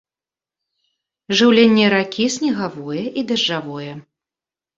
Жыўленне ракі снегавое і дажджавое.